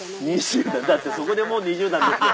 そこでもう２０段ですよ。